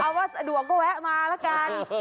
เอาว่าสะดวกก็แวะมาละกัน